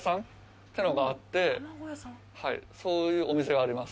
そういうお店があります。